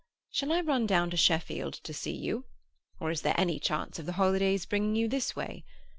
Shall I run down to Sheffield to see you, or is there any chance of the holidays bringing you this way?